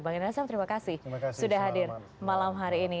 bang inasam terima kasih sudah hadir malam hari ini